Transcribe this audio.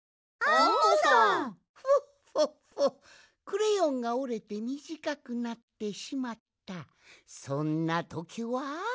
クレヨンがおれてみじかくなってしまったそんなときは。